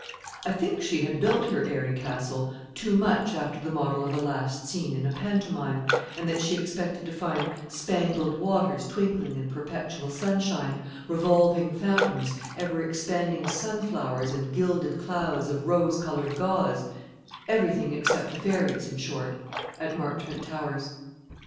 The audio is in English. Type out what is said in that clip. I think she had built her airy castle too much after the model of a last scene in a pantomime, and that she expected to find spangled waters twinkling in perpetual sunshine, revolving fountains, ever expanding sunflowers, and gilded clouds of rose coloured gauze, every thing except the fairies, in short, at Marchmont Towers.